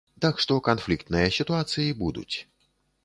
Так што канфліктныя сітуацыі будуць.